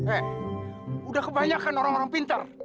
eh udah kebanyakan orang orang pintar